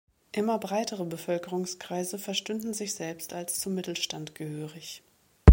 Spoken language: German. Immer breitere Bevölkerungskreise verstünden sich selbst als zum „Mittelstand“ gehörig.